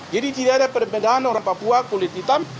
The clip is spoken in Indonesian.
jadi tidak ada perbedaan orang papua kulit hitam